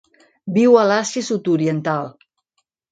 Viu a l'Àsia Sud-oriental.